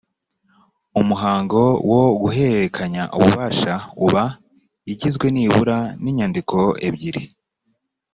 umuhango wo guhererekanya ububasha uba igizwe nibura n’ inyandiko ebyiri